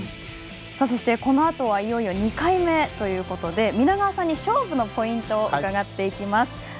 このあとはいよいよ２回目ということで皆川さんに、勝負のポイントを伺っていきます。